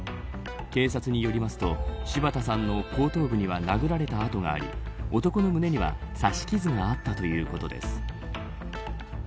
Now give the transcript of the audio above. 警察によりますと柴田さんの後頭部には殴られた痕があり男の胸には刺し傷があったということです。